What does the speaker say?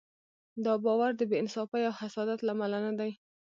دا باور د بې انصافۍ او حسادت له امله نه دی.